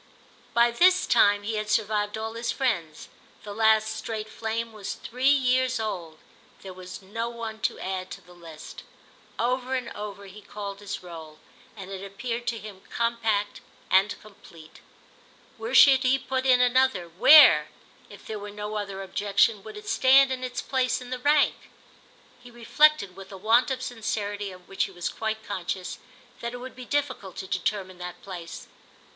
By this time he had survived all his friends; the last straight flame was three years old, there was no one to add to the list. Over and over he called his roll, and it appeared to him compact and complete. Where should he put in another, where, if there were no other objection, would it stand in its place in the rank? He reflected, with a want of sincerity of which he was quite conscious, that it would be difficult to determine that place.